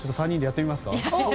３人でやってみますか？